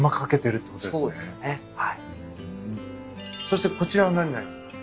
そしてこちらは何になりますか？